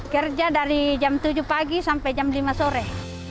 kerja dari jam tujuh pagi sampai jam lima sore